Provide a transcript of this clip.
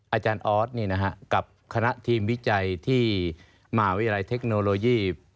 อาจารย์ออสกับคณะทีมวิจัยที่มหาวิทยาลัยเทคโนโลยี